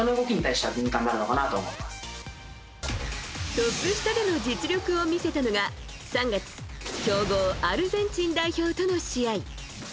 トップ下での実力を見せたのが３月強豪アルゼンチン代表との試合。